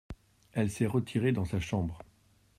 Elle s’est retirée dans sa chambre.